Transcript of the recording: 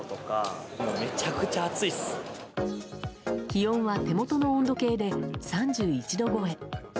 気温は手元の温度計で３１度超え。